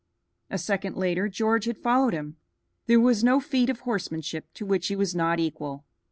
A second later George had followed him. There was no feat of horsemanship to which he was not equal.